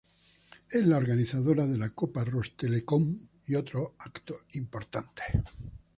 Es la organizadora de la Copa Rostelecom y otros eventos importantes.